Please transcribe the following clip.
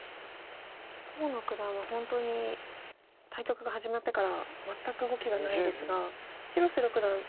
河野九段は本当に対局が始まってから全く動きがないですが広瀬六段